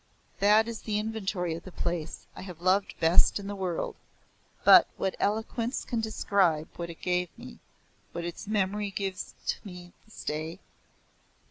That is the inventory of the place I have loved best in the world, but what eloquence can describe what it gave me, what its memory gives me to this day?